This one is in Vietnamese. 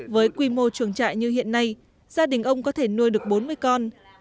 với quy mô trường trại như hiện nay gia đình ông có thể nuôi được bốn mươi con